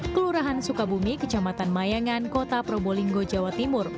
kelurahan sukabumi kecamatan mayangan kota probolinggo jawa timur